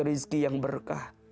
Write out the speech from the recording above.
rizki yang berkah